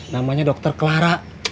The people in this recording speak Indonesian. namanya dokter clara